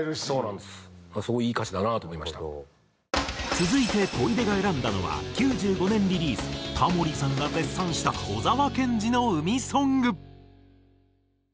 続いて小出が選んだのは９５年リリースタモリさんが絶賛した小沢健二の海ソング。